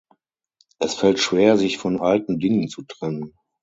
Es fällt schwer sich von alten Dingen zu trennen.